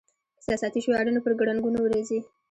احساساتي شعارونه پر ګړنګونو ورځي.